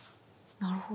なるほど。